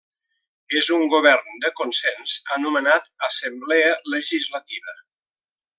És un govern de consens anomenat Assemblea Legislativa.